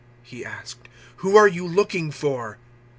He asked; "who are you looking for?"